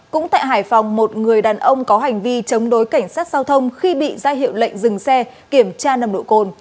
cũng tại hải phòng một người đàn ông có hành vi chống đối cảnh sát giao thông khi bị ra hiệu lệnh dừng xe kiểm tra nằm nội côn